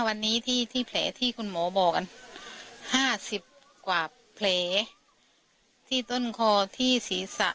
วันนี้ที่ที่เพลย์ที่คุณหมอบอกอ่ะห้าสิบกว่าเพลย์ที่ต้นคอที่ศรีษะ